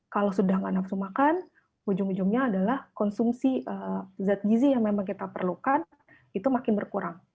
kalau sudah tidak nafsu makan ujung ujungnya adalah konsumsi zat gizi yang memang kita perlukan itu makin berkurang